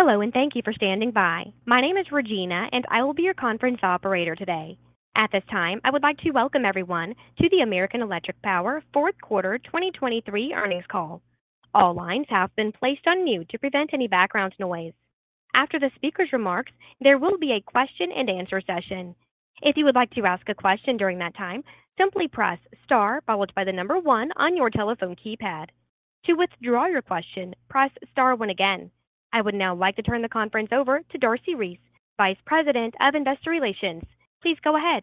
Hello and thank you for standing by. My name is Regina and I will be your conference operator today. At this time I would like to welcome everyone to the American Electric Power fourth quarter 2023 earnings call. All lines have been placed on mute to prevent any background noise. After the speaker's remarks, there will be a question and answer session. If you would like to ask a question during that time, simply press star followed by the number 1 on your telephone keypad. To withdraw your question, press star 1 again. I would now like to turn the conference over to Darcy Reese, Vice President of Investor Relations. Please go ahead.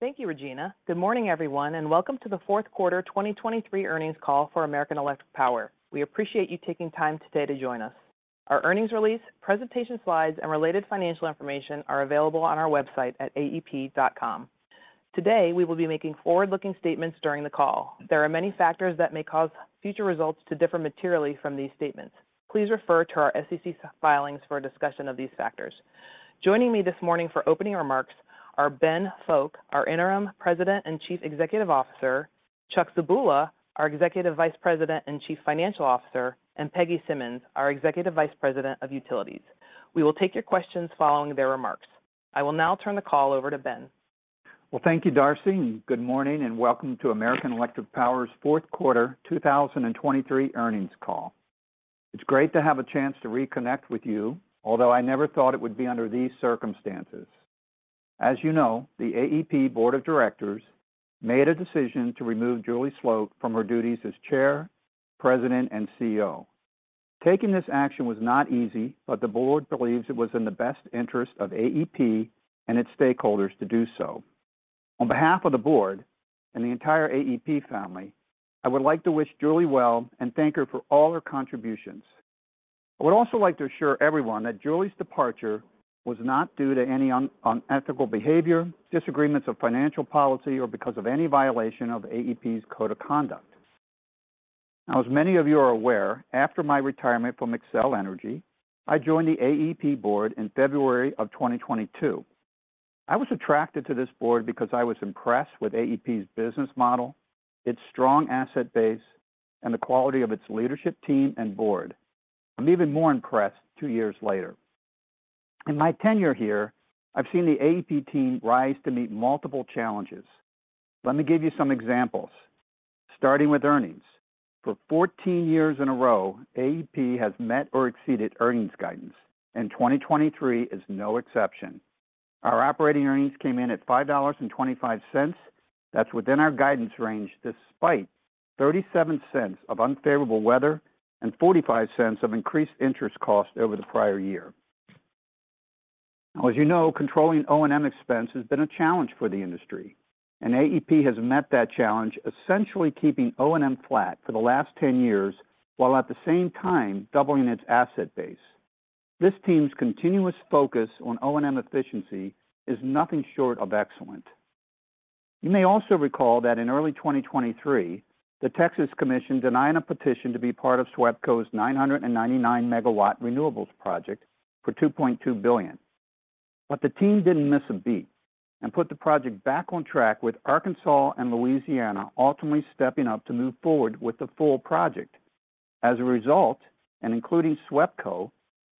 Thank you, Regina. Good morning, everyone, and welcome to the fourth quarter 2023 earnings call for American Electric Power. We appreciate you taking time today to join us. Our earnings release, presentation slides, and related financial information are available on our website at aep.com. Today we will be making forward-looking statements during the call. There are many factors that may cause future results to differ materially from these statements. Please refer to our SEC filings for a discussion of these factors. Joining me this morning for opening remarks are Ben Fowke, our Interim President and Chief Executive Officer; Chuck Zebula, our Executive Vice President and Chief Financial Officer; and Peggy Simmons, our Executive Vice President of Utilities. We will take your questions following their remarks. I will now turn the call over to Ben. Well, thank you, Darcy, and good morning and welcome to American Electric Power's fourth quarter 2023 earnings call. It's great to have a chance to reconnect with you, although I never thought it would be under these circumstances. As you know, the AEP Board of Directors made a decision to remove Julie Sloat from her duties as Chair, President, and CEO. Taking this action was not easy, but the board believes it was in the best interest of AEP and its stakeholders to do so. On behalf of the board and the entire AEP family, I would like to wish Julie well and thank her for all her contributions. I would also like to assure everyone that Julie's departure was not due to any unethical behavior, disagreements of financial policy, or because of any violation of AEP's code of conduct. Now, as many of you are aware, after my retirement from Xcel Energy, I joined the AEP board in February of 2022. I was attracted to this board because I was impressed with AEP's business model, its strong asset base, and the quality of its leadership team and board. I'm even more impressed two years later. In my tenure here, I've seen the AEP team rise to meet multiple challenges. Let me give you some examples. Starting with earnings, for 14 years in a row, AEP has met or exceeded earnings guidance, and 2023 is no exception. Our operating earnings came in at $5.25. That's within our guidance range despite $0.37 of unfavorable weather and $0.45 of increased interest cost over the prior year. Now, as you know, controlling O&M expense has been a challenge for the industry, and AEP has met that challenge essentially keeping O&M flat for the last 10 years while at the same time doubling its asset base. This team's continuous focus on O&M efficiency is nothing short of excellent. You may also recall that in early 2023, the Texas Commission denied a petition to be part of SWEPCO's 999-megawatt renewables project for $2.2 billion. But the team didn't miss a beat and put the project back on track with Arkansas and Louisiana ultimately stepping up to move forward with the full project. As a result, and including SWEPCO,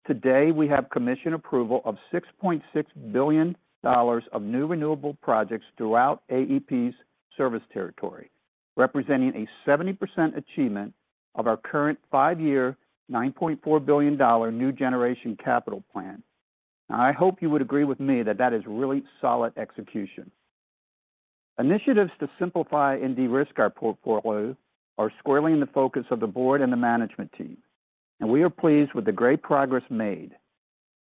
today we have commission approval of $6,600,000,000 of new renewable projects throughout AEP's service territory, representing a 70% achievement of our current five-year $9,400,000,000 new generation capital plan. Now, I hope you would agree with me that that is really solid execution. Initiatives to simplify and de-risk our portfolio are squarely in the focus of the board and the management team, and we are pleased with the great progress made.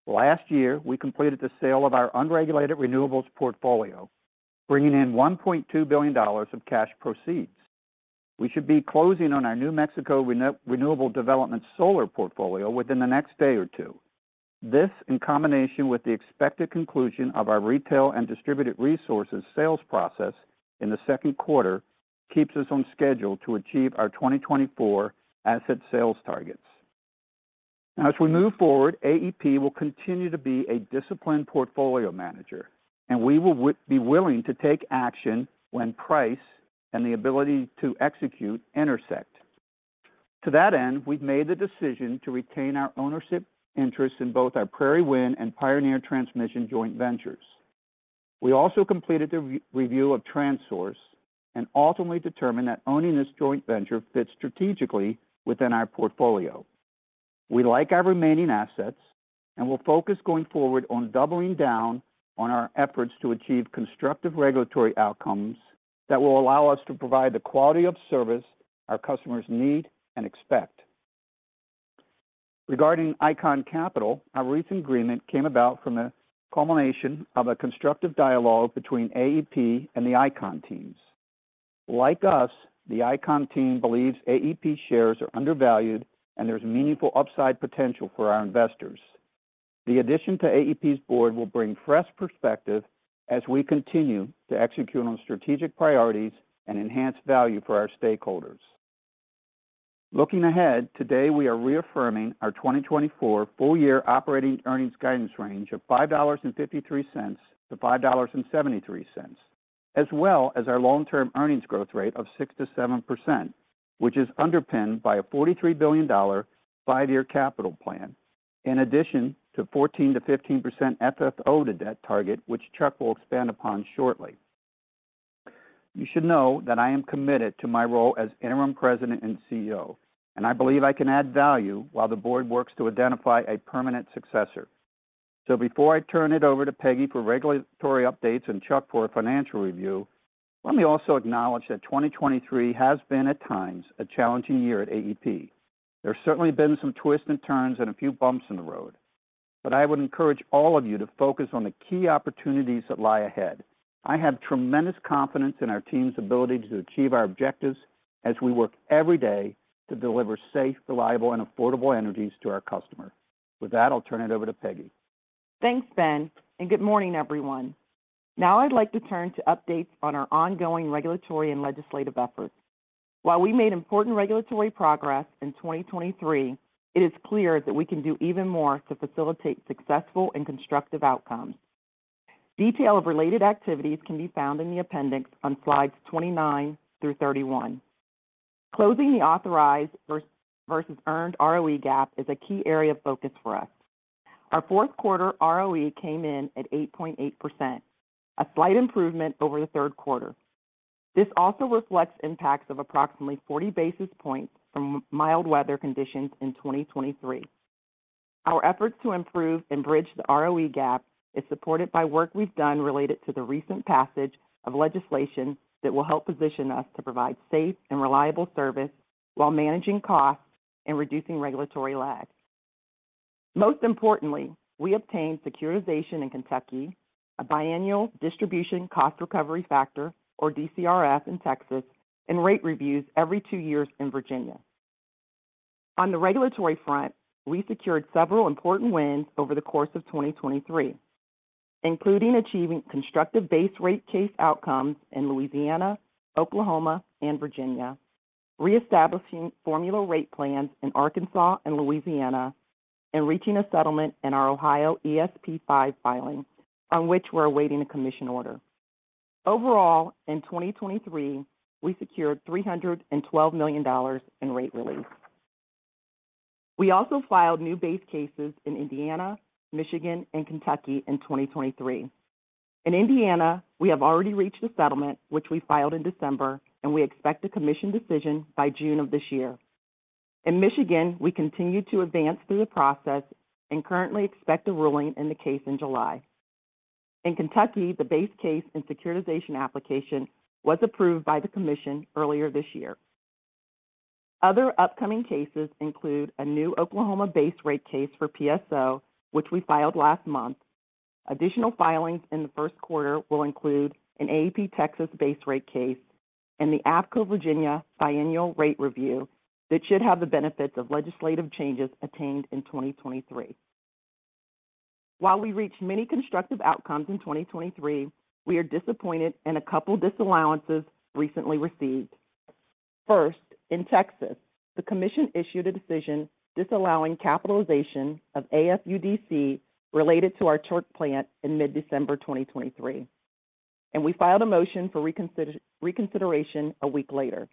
Last year, we completed the sale of our unregulated renewables portfolio, bringing in $1,200,000,000 of cash proceeds. We should be closing on our New Mexico Renewable Development solar portfolio within the next day or two. This, in combination with the expected conclusion of our retail and distributed resources sales process in the second quarter, keeps us on schedule to achieve our 2024 asset sales targets. Now, as we move forward, AEP will continue to be a disciplined portfolio manager, and we will be willing to take action when price and the ability to execute intersect. To that end, we've made the decision to retain our ownership interests in both our Prairie Wind and Pioneer Transmission joint ventures. We also completed the review of Transource and ultimately determined that owning this joint venture fits strategically within our portfolio. We like our remaining assets and will focus going forward on doubling down on our efforts to achieve constructive regulatory outcomes that will allow us to provide the quality of service our customers need and expect. Regarding Icahn Capital, our recent agreement came about from the culmination of a constructive dialogue between AEP and the Icahn teams. Like us, the Icahn team believes AEP shares are undervalued and there's meaningful upside potential for our investors. The addition to AEP's board will bring fresh perspective as we continue to execute on strategic priorities and enhance value for our stakeholders. Looking ahead, today we are reaffirming our 2024 full-year operating earnings guidance range of $5.53-$5.73, as well as our long-term earnings growth rate of 6%-7%, which is underpinned by a $43,000,000,000 five-year capital plan, in addition to 14%-15% FFO to debt target, which Chuck will expand upon shortly. You should know that I am committed to my role as Interim President and CEO, and I believe I can add value while the board works to identify a permanent successor. So before I turn it over to Peggy for regulatory updates and Chuck for a financial review, let me also acknowledge that 2023 has been, at times, a challenging year at AEP. There have certainly been some twists and turns and a few bumps in the road, but I would encourage all of you to focus on the key opportunities that lie ahead. I have tremendous confidence in our team's ability to achieve our objectives as we work every day to deliver safe, reliable, and affordable energy to our customers. With that, I'll turn it over to Peggy. Thanks, Ben, and good morning, everyone. Now I'd like to turn to updates on our ongoing regulatory and legislative efforts. While we made important regulatory progress in 2023, it is clear that we can do even more to facilitate successful and constructive outcomes. Detail of related activities can be found in the appendix on slides 29-31. Closing the authorized versus earned ROE gap is a key area of focus for us. Our fourth quarter ROE came in at 8.8%, a slight improvement over the third quarter. This also reflects impacts of approximately 40 basis points from mild weather conditions in 2023. Our efforts to improve and bridge the ROE gap are supported by work we've done related to the recent passage of legislation that will help position us to provide safe and reliable service while managing costs and reducing regulatory lag. Most importantly, we obtained securitization in Kentucky, a Biannual Distribution Cost Recovery Factor, or DCRF, in Texas, and rate reviews every two years in Virginia. On the regulatory front, we secured several important wins over the course of 2023, including achieving constructive base rate case outcomes in Louisiana, Oklahoma, and Virginia, reestablishing formula rate plans in Arkansas and Louisiana, and reaching a settlement in our Ohio ESP5 filing on which we're awaiting a commission order. Overall, in 2023, we secured $312,000,000 in rate relief. We also filed new base cases in Indiana, Michigan, and Kentucky in 2023. In Indiana, we have already reached a settlement, which we filed in December, and we expect a commission decision by June of this year. In Michigan, we continue to advance through the process and currently expect a ruling in the case in July. In Kentucky, the base case and securitization application was approved by the commission earlier this year. Other upcoming cases include a new Oklahoma base rate case for PSO, which we filed last month. Additional filings in the first quarter will include an AEP Texas base rate case and the AppCo Virginia Biennial Rate Review that should have the benefits of legislative changes attained in 2023. While we reached many constructive outcomes in 2023, we are disappointed in a couple of disallowances recently received. First, in Texas, the commission issued a decision disallowing capitalization of AFUDC related to our Turk Plant in mid-December 2023, and we filed a motion for reconsideration a week later.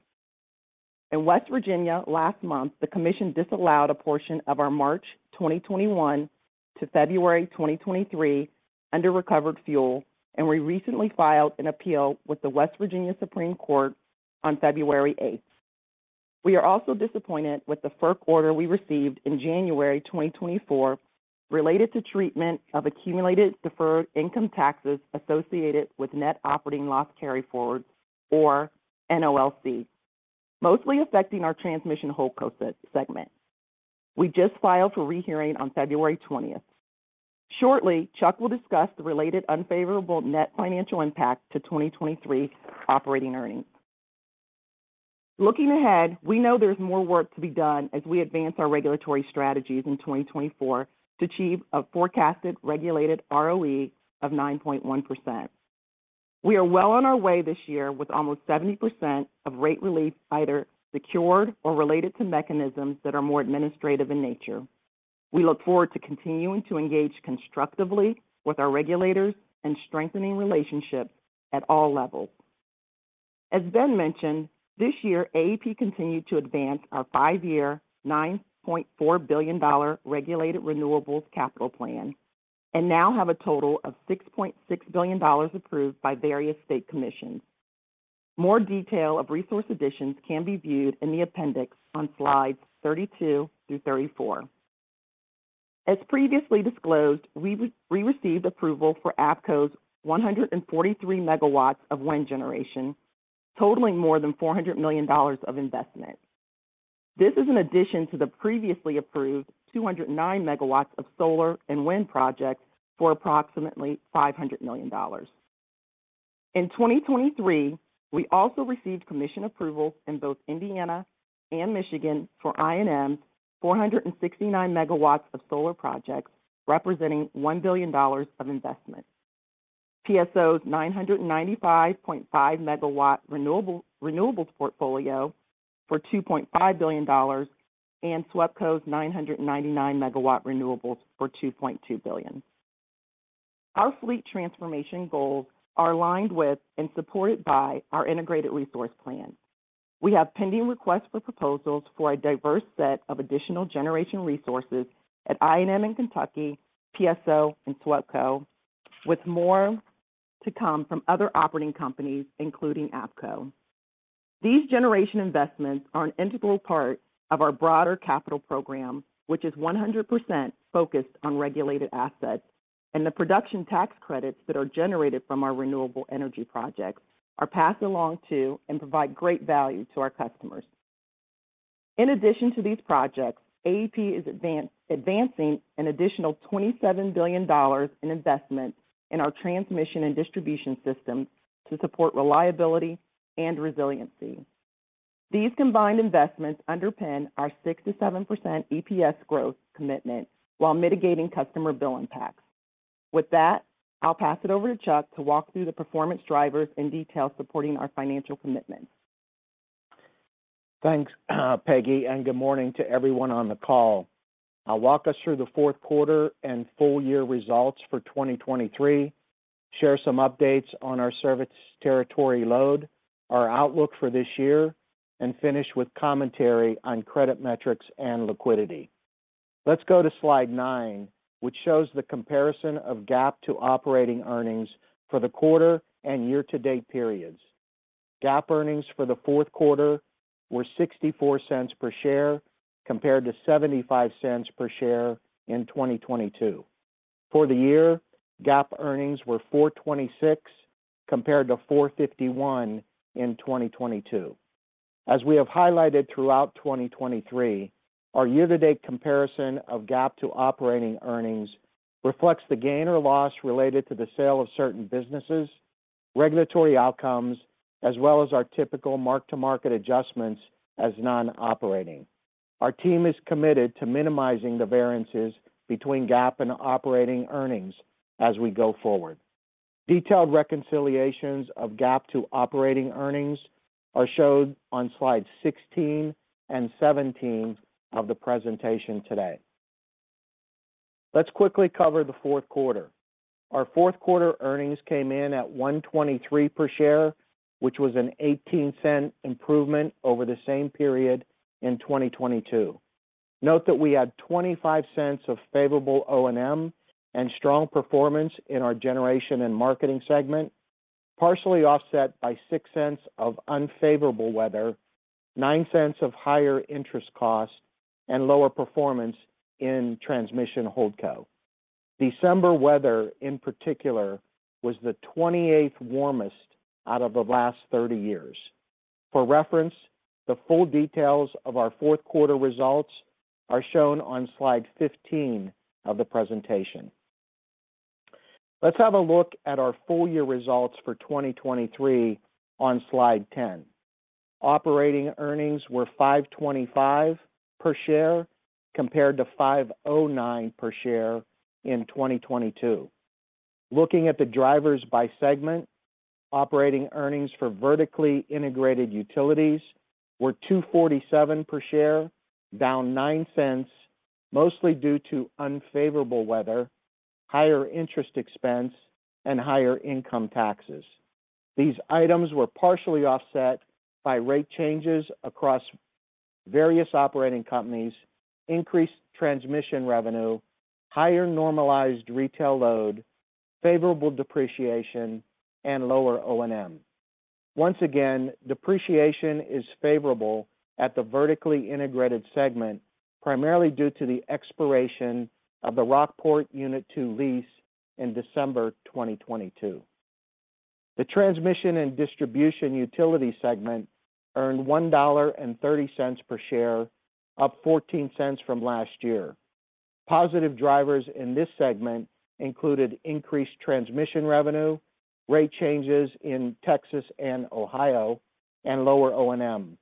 In West Virginia, last month, the commission disallowed a portion of our March 2021 to February 2023 under-recovered fuel, and we recently filed an appeal with the West Virginia Supreme Court on February 8th. We are also disappointed with the FERC order we received in January 2024 related to treatment of accumulated deferred income taxes associated with net operating loss carryforwards, or NOLC, mostly affecting our transmission wholesale segment. We just filed for rehearing on February 20th. Shortly, Chuck will discuss the related unfavorable net financial impact to 2023 operating earnings. Looking ahead, we know there's more work to be done as we advance our regulatory strategies in 2024 to achieve a forecasted regulated ROE of 9.1%. We are well on our way this year with almost 70% of rate relief either secured or related to mechanisms that are more administrative in nature. We look forward to continuing to engage constructively with our regulators and strengthening relationships at all levels. As Ben mentioned, this year AEP continued to advance our 5-year $9,400,000,000 regulated renewables capital plan and now have a total of $6,600,000,000 approved by various state commissions. More detail of resource additions can be viewed in the appendix on slides 32-34. As previously disclosed, we received approval for APCo's 143 MW of wind generation, totaling more than $400,000,000 of investment. This is in addition to the previously approved 209 MW of solar and wind projects for approximately $500,000,000. In 2023, we also received commission approval in both Indiana and Michigan for I&M's 469 MW of solar projects, representing $1,000,000,000 of investment, PSO's 995.5 MW renewables portfolio for $2,500,000,000, and SWEPCO's 999 MW renewables for $2,200,000,000. Our fleet transformation goals are aligned with and supported by our integrated resource plan. We have pending requests for proposals for a diverse set of additional generation resources at I&M in Kentucky, PSO, and SWEPCO, with more to come from other operating companies, including APCO. These generation investments are an integral part of our broader capital program, which is 100% focused on regulated assets, and the production tax credits that are generated from our renewable energy projects are passed along to and provide great value to our customers. In addition to these projects, AEP is advancing an additional $27,000,000,000 in investment in our transmission and distribution systems to support reliability and resiliency. These combined investments underpin our 6%-7% EPS growth commitment while mitigating customer bill impacts. With that, I'll pass it over to Chuck to walk through the performance drivers in detail supporting our financial commitments. Thanks, Peggy, and good morning to everyone on the call. I'll walk us through the fourth quarter and full-year results for 2023, share some updates on our service territory load, our outlook for this year, and finish with commentary on credit metrics and liquidity. Let's go to slide 9, which shows the comparison of GAAP to operating earnings for the quarter and year-to-date periods. GAAP earnings for the fourth quarter were $0.64 per share compared to $0.75 per share in 2022. For the year, GAAP earnings were $4.26 compared to $4.51 in 2022. As we have highlighted throughout 2023, our year-to-date comparison of GAAP to operating earnings reflects the gain or loss related to the sale of certain businesses, regulatory outcomes, as well as our typical mark-to-market adjustments as non-operating. Our team is committed to minimizing the variances between GAAP and operating earnings as we go forward. Detailed reconciliations of GAAP to operating earnings are shown on slides 16 and 17 of the presentation today. Let's quickly cover the fourth quarter. Our fourth quarter earnings came in at $1.23 per share, which was a $0.18 improvement over the same period in 2022. Note that we had $0.25 of favorable O&M and strong performance in our generation and marketing segment, partially offset by $0.06 of unfavorable weather, $0.09 of higher interest cost, and lower performance in transmission holdco. December weather, in particular, was the 28th warmest out of the last 30 years. For reference, the full details of our fourth quarter results are shown on slide 15 of the presentation. Let's have a look at our full-year results for 2023 on slide 10. Operating earnings were $5.25 per share compared to $5.09 per share in 2022. Looking at the drivers by segment, operating earnings for vertically integrated utilities were $2.47 per share, down $0.09, mostly due to unfavorable weather, higher interest expense, and higher income taxes. These items were partially offset by rate changes across various operating companies, increased transmission revenue, higher normalized retail load, favorable depreciation, and lower O&M. Once again, depreciation is favorable at the vertically integrated segment, primarily due to the expiration of the Rockport Unit 2 lease in December 2022. The transmission and distribution utility segment earned $1.30 per share, up $0.14 from last year. Positive drivers in this segment included increased transmission revenue, rate changes in Texas and Ohio, and lower O&M.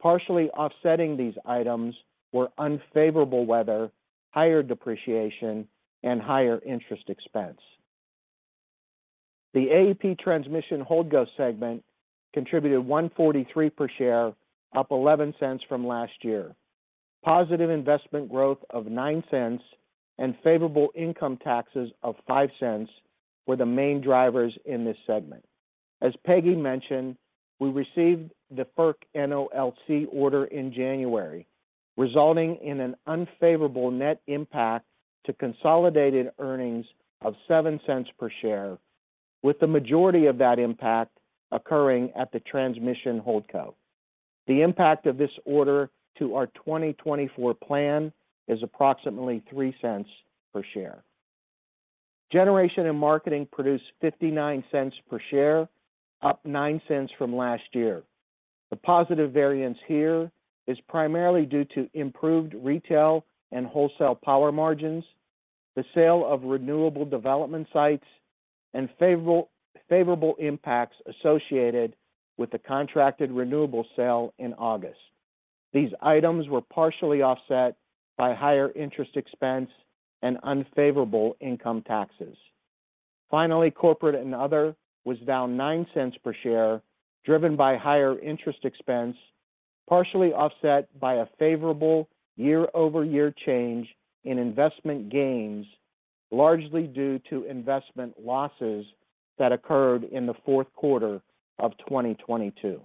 Partially offsetting these items were unfavorable weather, higher depreciation, and higher interest expense. The AEP transmission holdco segment contributed $1.43 per share, up $0.11 from last year. Positive investment growth of $0.09 and favorable income taxes of $0.05 were the main drivers in this segment. As Peggy mentioned, we received the FERC NOLC order in January, resulting in an unfavorable net impact to consolidated earnings of $0.07 per share, with the majority of that impact occurring at the transmission holdco. The impact of this order to our 2024 plan is approximately $0.03 per share. Generation and marketing produced $0.59 per share, up $0.09 from last year. The positive variance here is primarily due to improved retail and wholesale power margins, the sale of renewable development sites, and favorable impacts associated with the contracted renewable sale in August. These items were partially offset by higher interest expense and unfavorable income taxes. Finally, corporate and other was down $0.09 per share, driven by higher interest expense, partially offset by a favorable year-over-year change in investment gains, largely due to investment losses that occurred in the fourth quarter of 2022.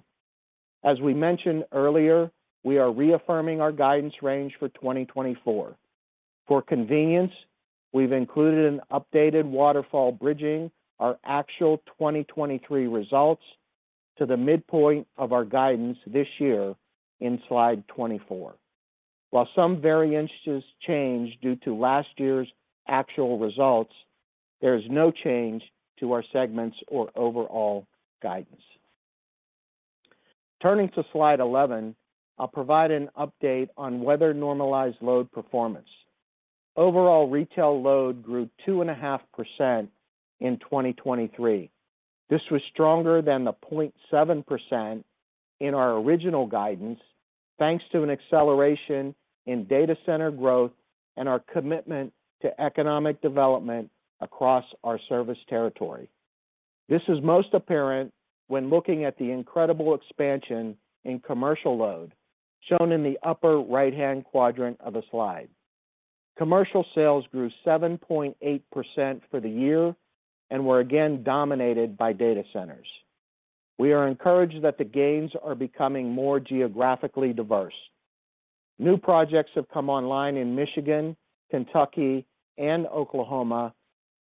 As we mentioned earlier, we are reaffirming our guidance range for 2024. For convenience, we've included an updated waterfall bridging our actual 2023 results to the midpoint of our guidance this year in slide 24. While some variances change due to last year's actual results, there is no change to our segments or overall guidance. Turning to slide 11, I'll provide an update on weather normalized load performance. Overall retail load grew 2.5% in 2023. This was stronger than the 0.7% in our original guidance, thanks to an acceleration in data center growth and our commitment to economic development across our service territory. This is most apparent when looking at the incredible expansion in commercial load, shown in the upper right-hand quadrant of the slide. Commercial sales grew 7.8% for the year and were again dominated by data centers. We are encouraged that the gains are becoming more geographically diverse. New projects have come online in Michigan, Kentucky, and Oklahoma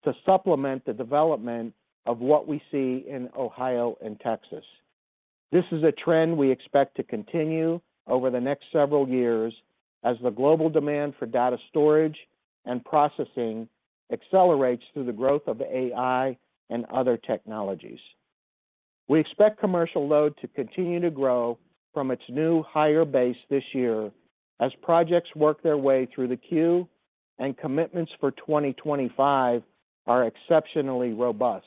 to supplement the development of what we see in Ohio and Texas. This is a trend we expect to continue over the next several years as the global demand for data storage and processing accelerates through the growth of AI and other technologies. We expect commercial load to continue to grow from its new higher base this year as projects work their way through the queue and commitments for 2025 are exceptionally robust.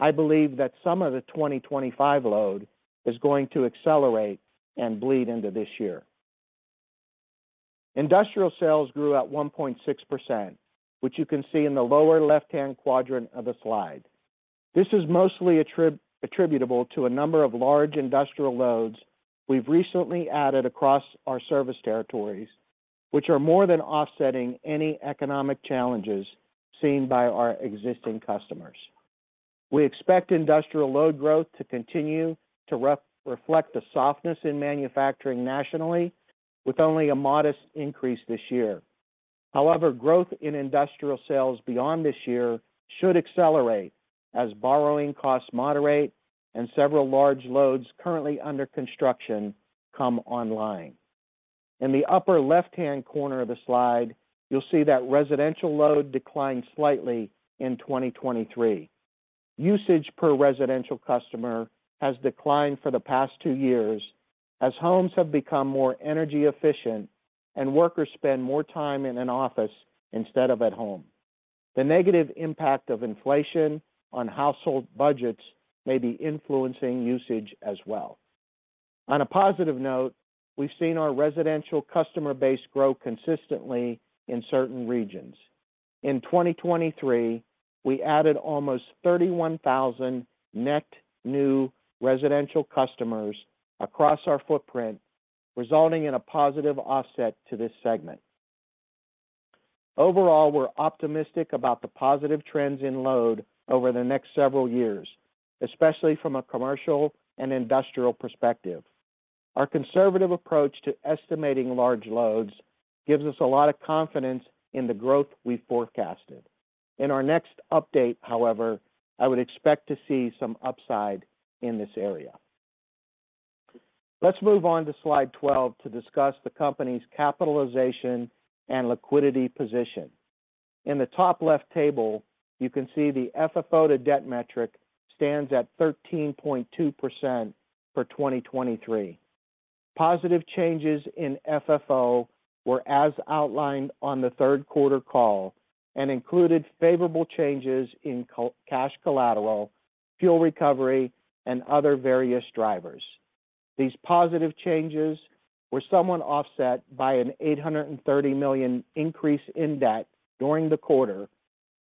I believe that some of the 2025 load is going to accelerate and bleed into this year. Industrial sales grew at 1.6%, which you can see in the lower left-hand quadrant of the slide. This is mostly attributable to a number of large industrial loads we've recently added across our service territories, which are more than offsetting any economic challenges seen by our existing customers. We expect industrial load growth to continue to reflect the softness in manufacturing nationally, with only a modest increase this year. However, growth in industrial sales beyond this year should accelerate as borrowing costs moderate and several large loads currently under construction come online. In the upper left-hand corner of the slide, you'll see that residential load declined slightly in 2023. Usage per residential customer has declined for the past two years as homes have become more energy efficient and workers spend more time in an office instead of at home. The negative impact of inflation on household budgets may be influencing usage as well. On a positive note, we've seen our residential customer base grow consistently in certain regions. In 2023, we added almost 31,000 net new residential customers across our footprint, resulting in a positive offset to this segment. Overall, we're optimistic about the positive trends in load over the next several years, especially from a commercial and industrial perspective. Our conservative approach to estimating large loads gives us a lot of confidence in the growth we forecasted. In our next update, however, I would expect to see some upside in this area. Let's move on to slide 12 to discuss the company's capitalization and liquidity position. In the top left table, you can see the FFO to debt metric stands at 13.2% for 2023. Positive changes in FFO were, as outlined on the third quarter call, and included favorable changes in cash collateral, fuel recovery, and other various drivers. These positive changes were somewhat offset by a $830,000,000 increase in debt during the quarter,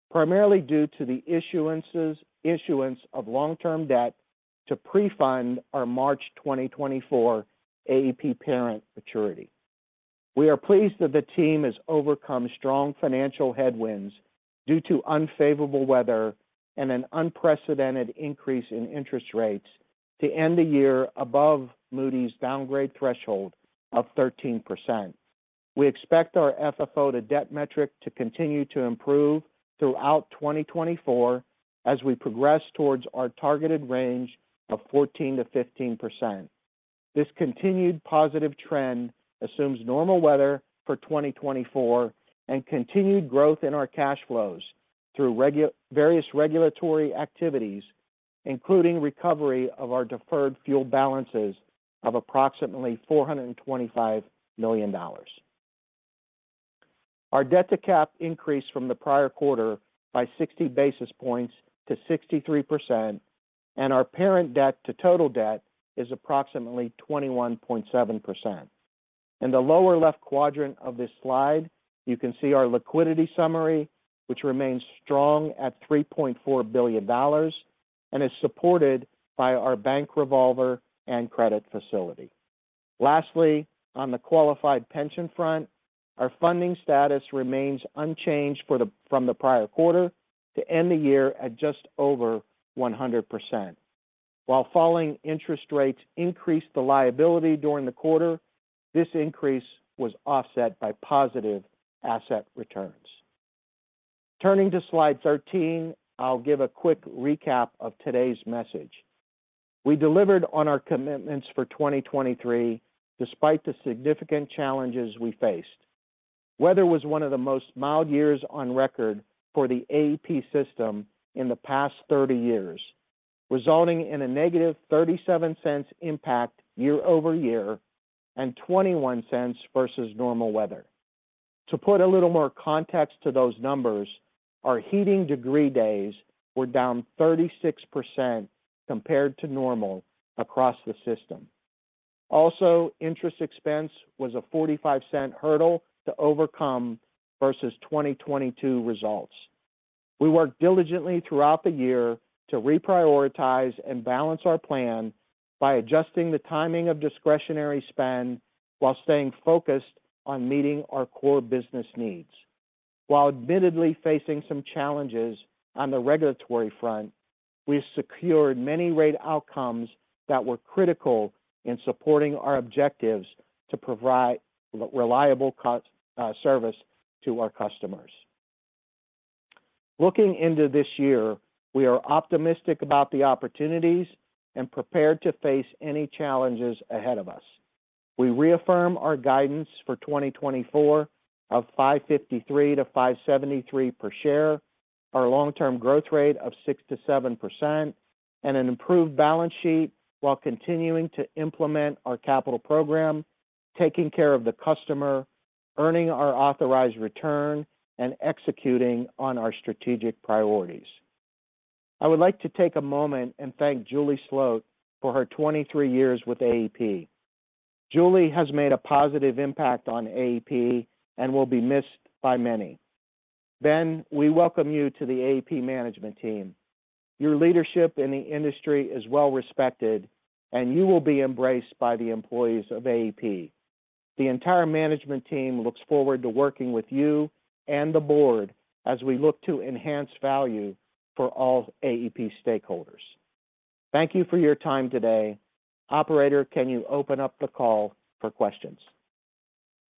primarily due to the issuance of long-term debt to pre-fund our March 2024 AEP parent maturity. We are pleased that the team has overcome strong financial headwinds due to unfavorable weather and an unprecedented increase in interest rates to end the year above Moody's downgrade threshold of 13%. We expect our FFO to debt metric to continue to improve throughout 2024 as we progress towards our targeted range of 14%-15%. This continued positive trend assumes normal weather for 2024 and continued growth in our cash flows through various regulatory activities, including recovery of our deferred fuel balances of approximately $425,000,000. Our debt to cap increased from the prior quarter by 60 basis points to 63%, and our parent debt to total debt is approximately 21.7%. In the lower left quadrant of this slide, you can see our liquidity summary, which remains strong at $3,400,000,000 and is supported by our bank revolver and credit facility. Lastly, on the qualified pension front, our funding status remains unchanged from the prior quarter to end the year at just over 100%. While falling interest rates increased the liability during the quarter, this increase was offset by positive asset returns. Turning to slide 13, I'll give a quick recap of today's message. We delivered on our commitments for 2023 despite the significant challenges we faced. Weather was one of the most mild years on record for the AEP system in the past 30 years, resulting in a negative $0.37 impact year over year and $0.21 versus normal weather. To put a little more context to those numbers, our heating degree days were down 36% compared to normal across the system. Also, interest expense was a $0.45 hurdle to overcome versus 2022 results. We worked diligently throughout the year to reprioritize and balance our plan by adjusting the timing of discretionary spend while staying focused on meeting our core business needs. While admittedly facing some challenges on the regulatory front, we secured many rate outcomes that were critical in supporting our objectives to provide reliable service to our customers. Looking into this year, we are optimistic about the opportunities and prepared to face any challenges ahead of us. We reaffirm our guidance for 2024 of $5.53-$5.73 per share, our long-term growth rate of 6%-7%, and an improved balance sheet while continuing to implement our capital program, taking care of the customer, earning our authorized return, and executing on our strategic priorities. I would like to take a moment and thank Julie Sloat for her 23 years with AEP. Julie has made a positive impact on AEP and will be missed by many. Ben, we welcome you to the AEP management team. Your leadership in the industry is well respected, and you will be embraced by the employees of AEP. The entire management team looks forward to working with you and the board as we look to enhance value for all AEP stakeholders. Thank you for your time today. Operator, can you open up the call for questions?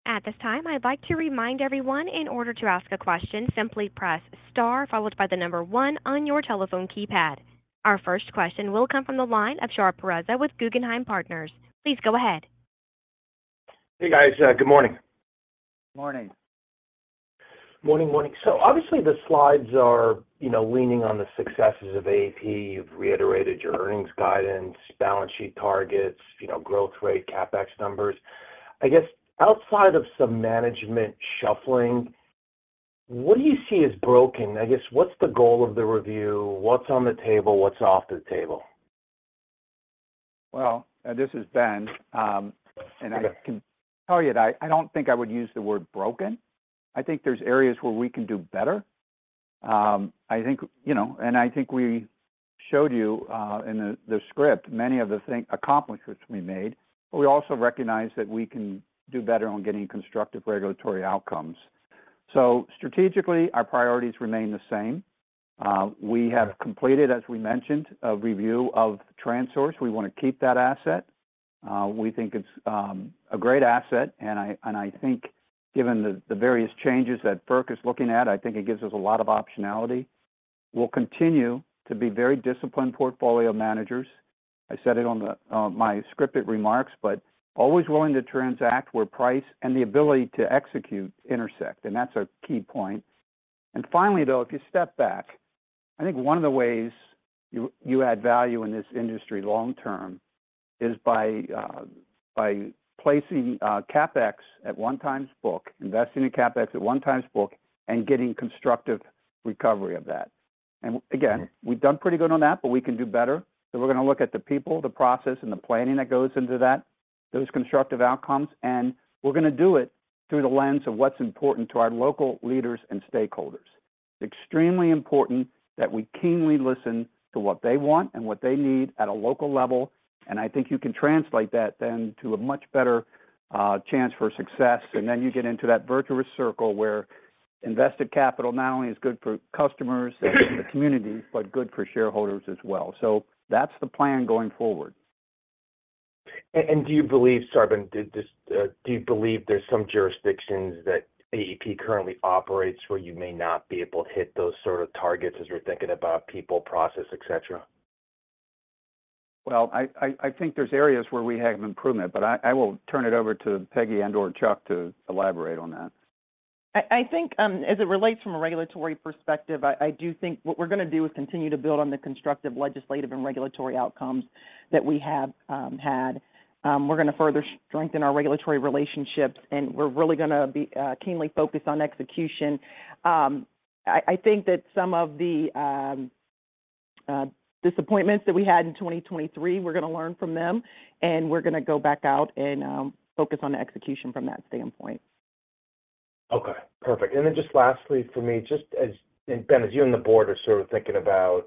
At this time, I'd like to remind everyone, in order to ask a question, simply press star followed by the number 1 on your telephone keypad. Our first question will come from the line of Shar Pourreza with Guggenheim Partners. Please go ahead. Hey guys, good morning. Morning. Morning, morning. So obviously the slides are leaning on the successes of AEP. You've reiterated your earnings guidance, balance sheet targets, growth rate, CapEx numbers. I guess outside of some management shuffling, what do you see as broken? I guess what's the goal of the review? What's on the table? What's off the table? Well, this is Ben, and I can tell you that I don't think I would use the word broken. I think there's areas where we can do better. I think we showed you in the script many of the accomplishments we made, but we also recognize that we can do better on getting constructive regulatory outcomes. Strategically, our priorities remain the same. We have completed, as we mentioned, a review of Transource. We want to keep that asset. We think it's a great asset, and I think given the various changes that FERC is looking at, I think it gives us a lot of optionality. We'll continue to be very disciplined portfolio managers. I said it on my scripted remarks, but always willing to transact where price and the ability to execute intersect, and that's a key point. Finally, though, if you step back, I think one of the ways you add value in this industry long-term is by placing CapEx at one time's book, investing in CapEx at one time's book, and getting constructive recovery of that. Again, we've done pretty good on that, but we can do better. We're going to look at the people, the process, and the planning that goes into those constructive outcomes, and we're going to do it through the lens of what's important to our local leaders and stakeholders. It's extremely important that we keenly listen to what they want and what they need at a local level, and I think you can translate that then to a much better chance for success, and then you get into that virtuous circle where invested capital not only is good for customers and the communities, but good for shareholders as well. So that's the plan going forward. And do you believe, So Ben, do you believe there's some jurisdictions that AEP currently operates where you may not be able to hit those sort of targets as we're thinking about people, process, etc.? Well, I think there's areas where we have improvement, but I will turn it over to Peggy and/or Chuck to elaborate on that. I think as it relates from a regulatory perspective, I do think what we're going to do is continue to build on the constructive legislative and regulatory outcomes that we have had. We're going to further strengthen our regulatory relationships, and we're really going to keenly focus on execution. I think that some of the disappointments that we had in 2023, we're going to learn from them, and we're going to go back out and focus on the execution from that standpoint. Okay. Perfect. And then just lastly for me, just Ben, as you and the board are sort of thinking about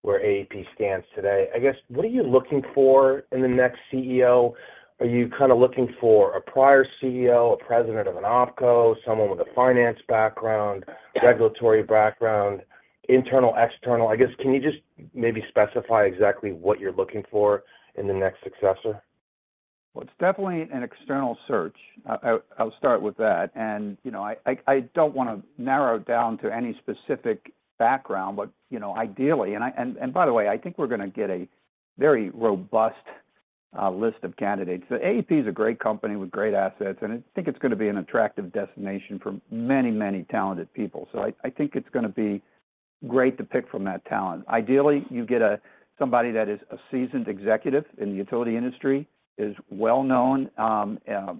where AEP stands today, I guess what are you looking for in the next CEO? Are you kind of looking for a prior CEO, a president of an opco, someone with a finance background, regulatory background, internal, external? I guess, can you just maybe specify exactly what you're looking for in the next successor? Well, it's definitely an external search. I'll start with that. I don't want to narrow down to any specific background, but ideally and by the way, I think we're going to get a very robust list of candidates. The AEP is a great company with great assets, and I think it's going to be an attractive destination for many, many talented people. So I think it's going to be great to pick from that talent. Ideally, you get somebody that is a seasoned executive in the utility industry, is well known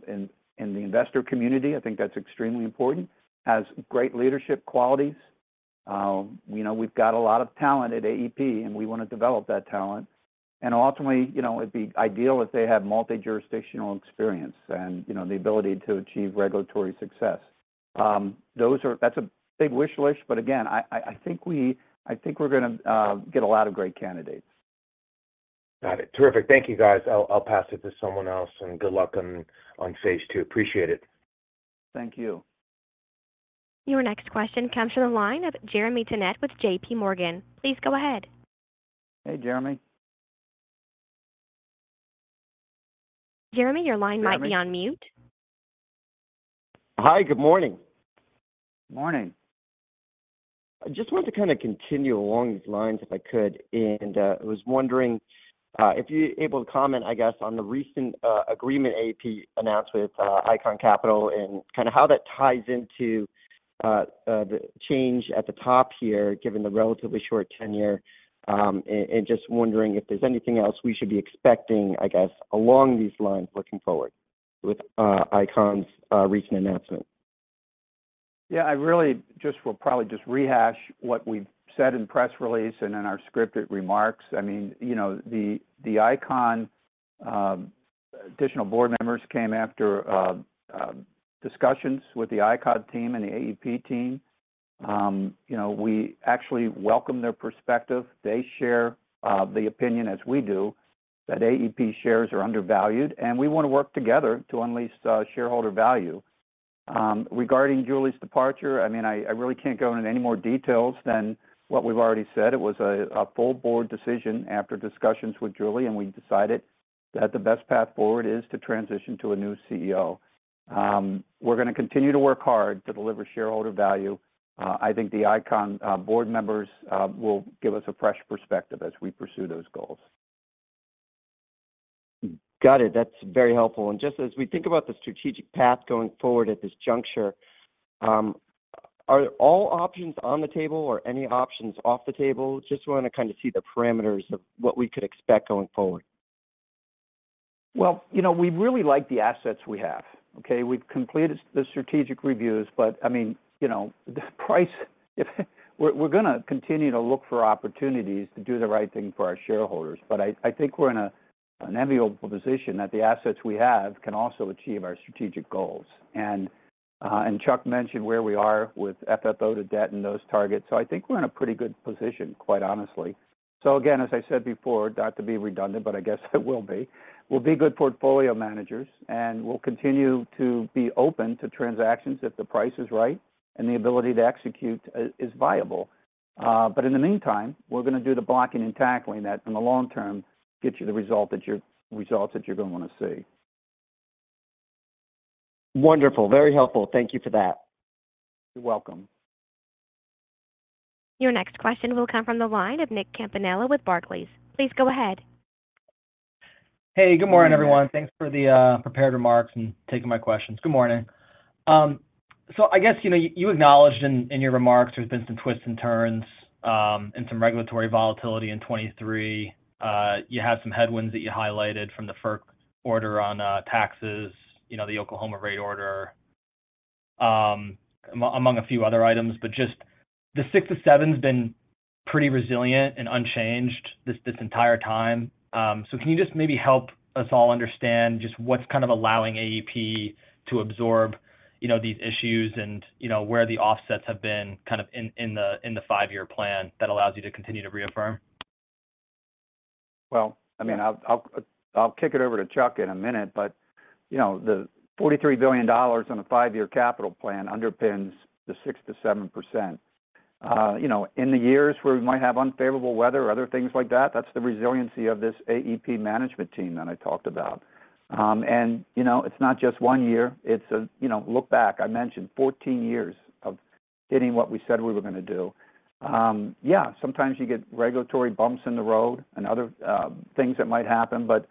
in the investor community. I think that's extremely important, has great leadership qualities. We've got a lot of talent at AEP, and we want to develop that talent. Ultimately, it'd be ideal if they have multi-jurisdictional experience and the ability to achieve regulatory success. That's a big wish list, but again, I think we're going to get a lot of great candidates. Got it. Terrific. Thank you, guys. I'll pass it to someone else, and good luck on phase two. Appreciate it. Thank you. Your next question comes from the line of Jeremy Tonet with JP Morgan. Please go ahead. Hey, Jeremy. Jeremy, your line might be on mute. Hi, good morning. Morning. I just wanted to kind of continue along these lines if I could, and I was wondering if you're able to comment, I guess, on the recent agreement AEP announced with Icahn Capital and kind of how that ties into the change at the top here given the relatively short tenure, and just wondering if there's anything else we should be expecting, I guess, along these lines looking forward with Icahn's recent announcement. Yeah, I really just will probably just rehash what we've said in press release and in our scripted remarks. I mean, the Icahn additional board members came after discussions with the Icahn team and the AEP team. We actually welcome their perspective. They share the opinion as we do that AEP shares are undervalued, and we want to work together to unleash shareholder value. Regarding Julie's departure, I mean, I really can't go into any more details than what we've already said. It was a full board decision after discussions with Julie, and we decided that the best path forward is to transition to a new CEO. We're going to continue to work hard to deliver shareholder value. I think the Icahn board members will give us a fresh perspective as we pursue those goals. Got it. That's very helpful. And just as we think about the strategic path going forward at this juncture, are all options on the table or any options off the table? Just want to kind of see the parameters of what we could expect going forward. Well, we really like the assets we have. Okay? We've completed the strategic reviews, but I mean, the price we're going to continue to look for opportunities to do the right thing for our shareholders, but I think we're in an enviable position that the assets we have can also achieve our strategic goals. And Chuck mentioned where we are with FFO to debt and those targets, so I think we're in a pretty good position, quite honestly. So again, as I said before, not to be redundant, but I guess I will be, we'll be good portfolio managers, and we'll continue to be open to transactions if the price is right and the ability to execute is viable. But in the meantime, we're going to do the blocking and tackling that in the long term, get you the results that you're going to want to see. Wonderful. Very helpful. Thank you for that. You're welcome. Your next question will come from the line of Nick Campanella with Barclays. Please go ahead. Hey, good morning, everyone. Thanks for the prepared remarks and taking my questions. Good morning. So I guess you acknowledged in your remarks there's been some twists and turns and some regulatory volatility in 2023. You had some headwinds that you highlighted from the FERC order on taxes, the Oklahoma rate order, among a few other items. But just the 6-7 has been pretty resilient and unchanged this entire time. So can you just maybe help us all understand just what's kind of allowing AEP to absorb these issues and where the offsets have been kind of in the 5-year plan that allows you to continue to reaffirm? Well, I mean, I'll kick it over to Chuck in a minute, but the $43,000,000,000 on a five-year capital plan underpins the 6%-7%. In the years where we might have unfavorable weather, other things like that, that's the resiliency of this AEP management team that I talked about. And it's not just one year. It's a look back. I mentioned 14 years of hitting what we said we were going to do. Yeah, sometimes you get regulatory bumps in the road and other things that might happen, but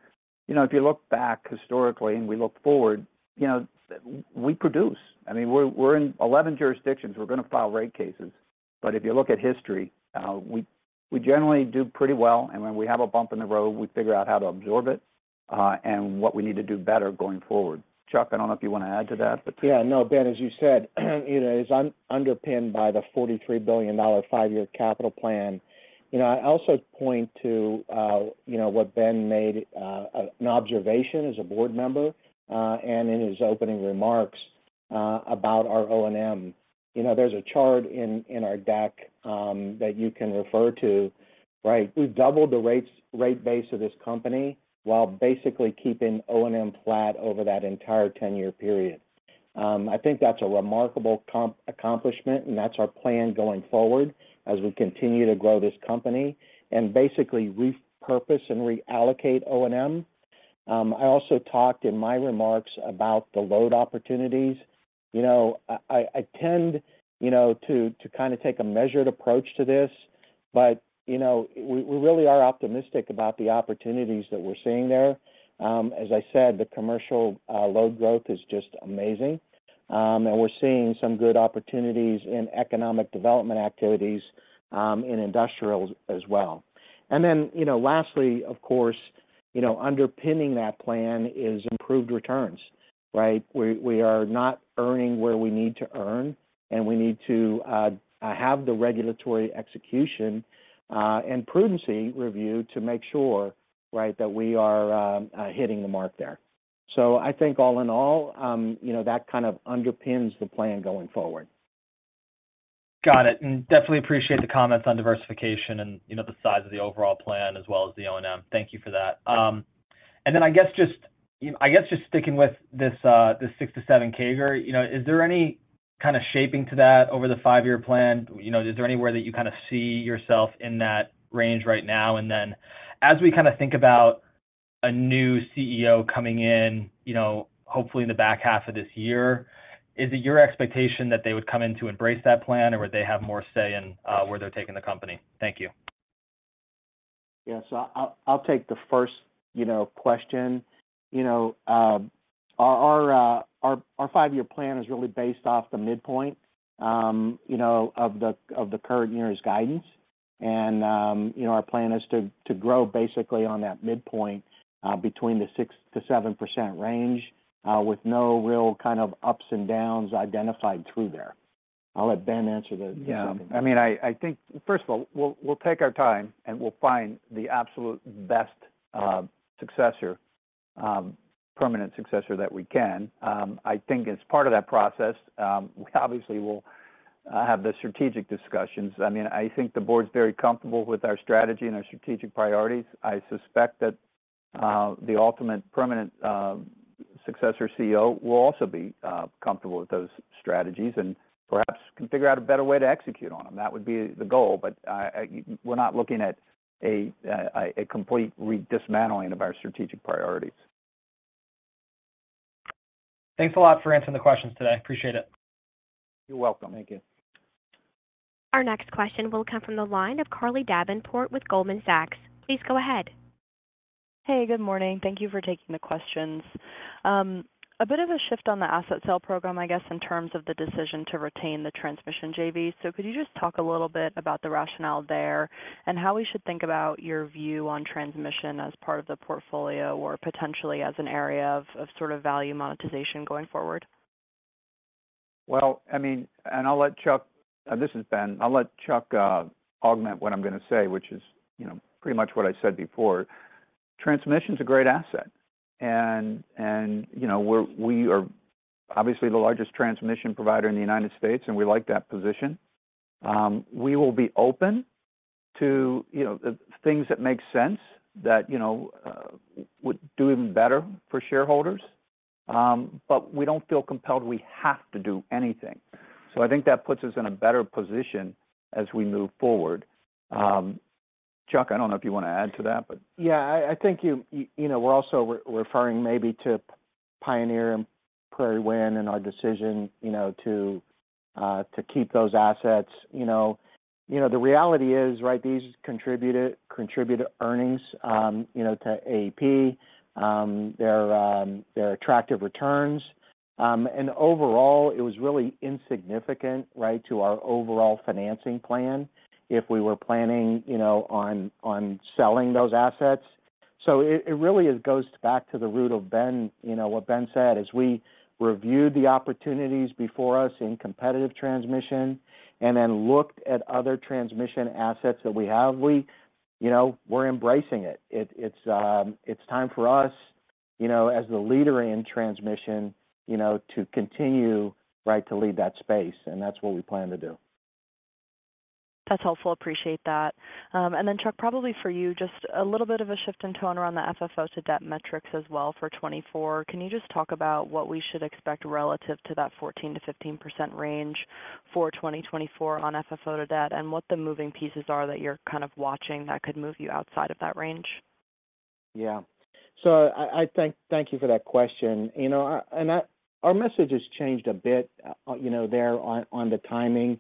if you look back historically and we look forward, we produce. I mean, we're in 11 jurisdictions. We're going to file rate cases, but if you look at history, we generally do pretty well, and when we have a bump in the road, we figure out how to absorb it and what we need to do better going forward. Chuck, I don't know if you want to add to that, but. Yeah. No, Ben, as you said, it is underpinned by the $43,000,000,000 five-year capital plan. I also point to what Ben made, an observation as a board member and in his opening remarks about our O&M. There's a chart in our deck that you can refer to, right? We've doubled the rate base of this company while basically keeping O&M flat over that entire tenure period. I think that's a remarkable accomplishment, and that's our plan going forward as we continue to grow this company and basically repurpose and reallocate O&M. I also talked in my remarks about the load opportunities. I tend to kind of take a measured approach to this, but we really are optimistic about the opportunities that we're seeing there. As I said, the commercial load growth is just amazing, and we're seeing some good opportunities in economic development activities in industrials as well. And then lastly, of course, underpinning that plan is improved returns, right? We are not earning where we need to earn, and we need to have the regulatory execution and prudency review to make sure that we are hitting the mark there. So I think all in all, that kind of underpins the plan going forward. Got it. And definitely appreciate the comments on diversification and the size of the overall plan as well as the O&M. Thank you for that. And then I guess just I guess just sticking with this 6-7% CAGR, is there any kind of shaping to that over the 5-year plan? Is there anywhere that you kind of see yourself in that range right now? And then as we kind of think about a new CEO coming in, hopefully in the back half of this year, is it your expectation that they would come in to embrace that plan, or would they have more say in where they're taking the company? Thank you. Yeah. So I'll take the first question. Our 5-year plan is really based off the midpoint of the current year's guidance, and our plan is to grow basically on that midpoint between the 6%-7% range with no real kind of ups and downs identified through there. I'll let Ben answer the second one. Yeah. I mean, I think first of all, we'll take our time, and we'll find the absolute best successor, permanent successor that we can. I think as part of that process, we obviously will have the strategic discussions. I mean, I think the board's very comfortable with our strategy and our strategic priorities. I suspect that the ultimate permanent successor CEO will also be comfortable with those strategies and perhaps can figure out a better way to execute on them. That would be the goal, but we're not looking at a complete redismantling of our strategic priorities. Thanks a lot for answering the questions today. Appreciate it. You're welcome. Thank you. Our next question will come from the line of Carly Davenport with Goldman Sachs. Please go ahead. Hey, good morning. Thank you for taking the questions. A bit of a shift on the asset sale program, I guess, in terms of the decision to retain the transmission JV. So could you just talk a little bit about the rationale there and how we should think about your view on transmission as part of the portfolio or potentially as an area of sort of value monetization going forward? Well, I mean, and I'll let Chuck and this is Ben. I'll let Chuck augment what I'm going to say, which is pretty much what I said before. Transmission is a great asset, and we are obviously the largest transmission provider in the United States, and we like that position. We will be open to things that make sense, that would do even better for shareholders, but we don't feel compelled we have to do anything. So I think that puts us in a better position as we move forward. Chuck, I don't know if you want to add to that, but. Yeah. I think we're also referring maybe to Pioneer and Prairie Wind and our decision to keep those assets. The reality is, right, these contribute earnings to AEP. They're attractive returns. And overall, it was really insignificant, right, to our overall financing plan if we were planning on selling those assets. So it really goes back to the root of Ben, what Ben said, as we reviewed the opportunities before us in competitive transmission and then looked at other transmission assets that we have, we're embracing it. It's time for us as the leader in transmission to continue, right, to lead that space, and that's what we plan to do. That's helpful. Appreciate that. And then, Chuck, probably for you, just a little bit of a shift in tone around the FFO to debt metrics as well for 2024. Can you just talk about what we should expect relative to that 14%-15% range for 2024 on FFO to debt and what the moving pieces are that you're kind of watching that could move you outside of that range? Yeah. So thank you for that question. And our message has changed a bit there on the timing,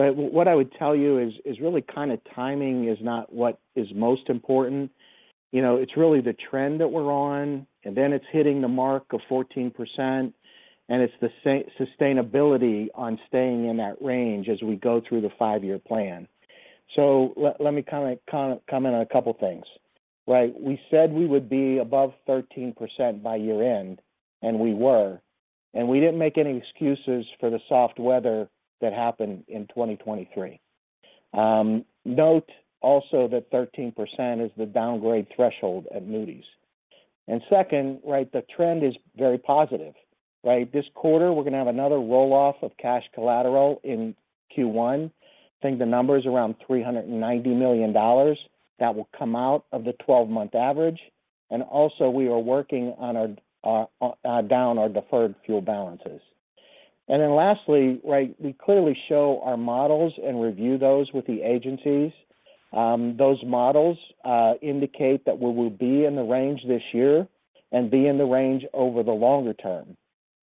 but what I would tell you is really kind of timing is not what is most important. It's really the trend that we're on, and then it's hitting the mark of 14%, and it's the sustainability on staying in that range as we go through the five-year plan. So let me kind of comment on a couple of things, right? We said we would be above 13% by year-end, and we were, and we didn't make any excuses for the soft weather that happened in 2023. Note also that 13% is the downgrade threshold at Moody's. And second, right, the trend is very positive, right? This quarter, we're going to have another roll-off of cash collateral in Q1. I think the number is around $390,000,000 that will come out of the 12-month average. And also, we are working down our deferred fuel balances. And then lastly, right, we clearly show our models and review those with the agencies. Those models indicate that we will be in the range this year and be in the range over the longer term.